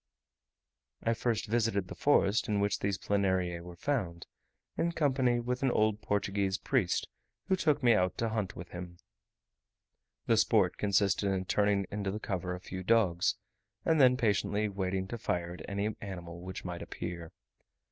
I first visited the forest in which these Planariae were found, in company with an old Portuguese priest who took me out to hunt with him. The sport consisted in turning into the cover a few dogs, and then patiently waiting to fire at any animal which might appear.